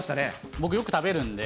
僕、よく食べるんで。